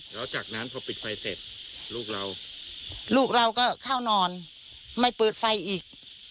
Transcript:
แล้วจากนั้นพอปิดไฟเสร็จลูกเราลูกเราก็เข้านอนไม่เปิดไฟอีก